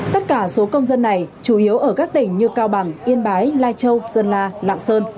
tất cả số công dân này chủ yếu ở các tỉnh như cao bằng yên bái lai châu sơn la lạng sơn